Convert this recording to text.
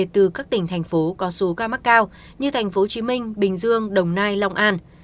từ các tỉnh thành phố có số ca mắc cao như tp hcm bình dương đồng nai long an